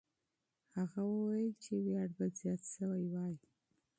هغه وویل چې ویاړ به زیات سوی وای.